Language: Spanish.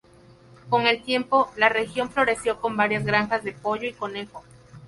Con el tiempo, la región floreció con varias granjas de pollo y conejo.